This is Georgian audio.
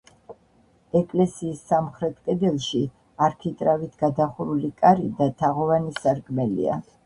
ეკლესიის სამხრეთ კედელში არქიტრავით გადახურული კარი და თაღოვანი სარკმელია.